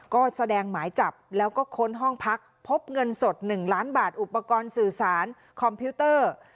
ก็แสดงหมายจับแล้วก็ค้นห้องพักพบเงินสด๑ล้านบาทอุปกรณ์สื่อสารคอมพิวเตอร์